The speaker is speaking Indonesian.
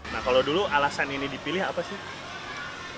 nah kalau dulu alasan ini dipilih apa sih